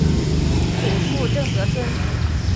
祖父郑得春。